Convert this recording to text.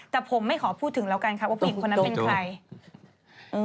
แต่ผมไม่ขอพูดถึงแล้วกันค่ะว่าผู้หญิงคนนั้นเป็นใคร